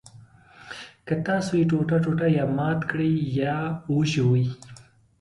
که تاسو یې ټوټه ټوټه یا مات کړئ یا وژوئ.